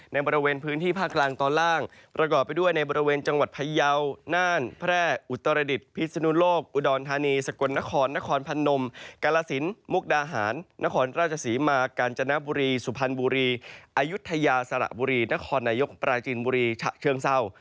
ในบริเวณพื้นที่ภาคกลางตอนล่างประกอบไปด้วยในบริเวณจังหวัดพยาวน่านแพร่อุตรดิษฐพิศนุโลกอุดรธานีสกลนครนครพนมกาลสินมุกดาหารนครราชศรีมากาญจนบุรีสุพรรณบุรีอายุทยาสระบุรีนครนายกปราจีนบุรีฉะเชิงเศร้า